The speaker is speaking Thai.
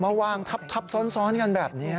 มาวางทับซ้อนกันแบบนี้